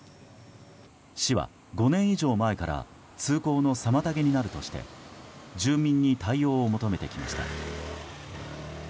市は５年以上前から通行の妨げになるとして住民に対応を求めてきました。